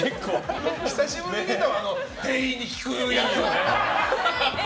久しぶりに見たわ店員に聞くやつ。